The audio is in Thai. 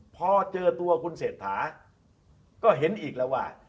พอเจอตัวคุณเศรษฐาก็เห็นอีกแล้วว่า